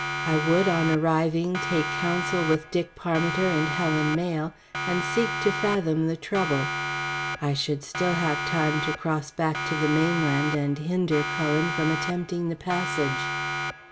I would on arriving take council with Dick Parmiter and Helen Mayle and seek to fathom the trouble. I should still have time to cross back to the mainland and hinder Cullen from attempting the passage.